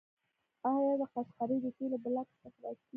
آیا د قشقري د تیلو بلاک استخراج کیږي؟